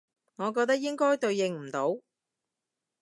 我覺得應該對應唔到